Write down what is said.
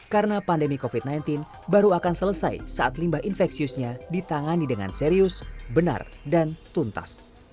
karena pandemi covid sembilan belas baru akan selesai saat limbah infeksiusnya ditangani dengan serius benar dan tuntas